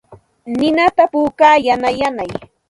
Ninata puukaa yanay yanay.